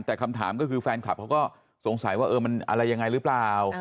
แต่คำถามก็คือแฟนคลับเขาก็สงสัยว่าเออมันอะไรยังไงหรือเปล่า